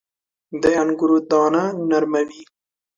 • د انګورو دانه نرمه وي.